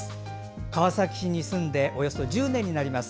川崎市に住んでおよそ１０年になります。